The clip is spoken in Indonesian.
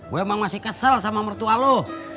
gua emang masih kesel sama mertua lu